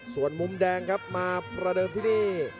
ส่วนมุมแดงครับมาประเดิมที่นี่